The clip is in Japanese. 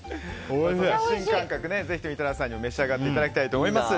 ぜひとも井戸田さんにも召し上がっていただきたいと思います。